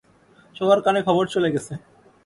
সবার কানে খবর চলে গেছে।